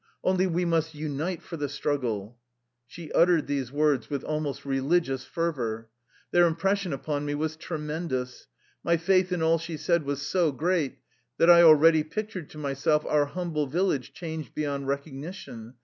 Only we must unite for the struggle." She uttered these words with almost religious fervor. Their impression upon me was tre mendous. My faith in all she said was so great that I already pictured to myself our humble village changed beyond recognition.